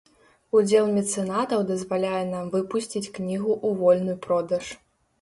Удзел мецэнатаў дазваляе нам выпусціць кнігу ў вольны продаж.